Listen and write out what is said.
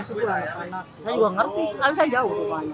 saya juga mengerti selalu saya jauh rumahnya